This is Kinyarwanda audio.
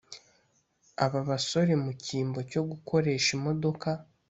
aba basore mu cyimbo cyo gukoresha imodoka